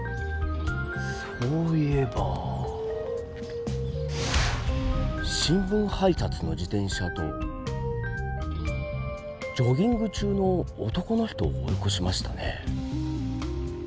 そういえば新聞配達の自転車とジョギング中の男の人を追いこしましたね。